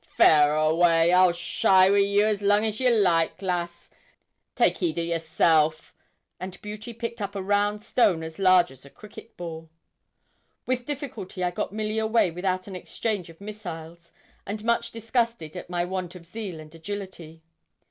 'Faire away; I'll shy wi' ye as long as ye like, lass; take heed o' yerself;' and Beauty picked up a round stone as large as a cricket ball. With difficulty I got Milly away without an exchange of missiles, and much disgusted at my want of zeal and agility.